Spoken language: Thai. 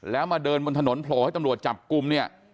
แล้วมาเดินบนถนนโผล่ให้ตำรวจจับกลุ่มเนี่ย